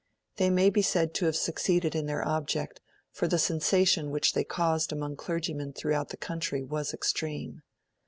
They may be said to have succeeded in their objective, for the sensation which they caused among clergymen throughout the country was extreme.